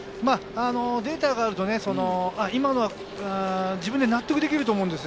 データがあると自分で納得できると思います。